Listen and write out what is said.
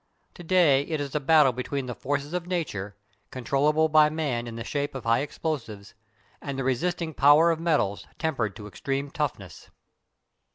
To day it is a battle between the forces of nature, controllable by man in the shape of "high explosives," and the resisting power of metals tempered to extreme toughness.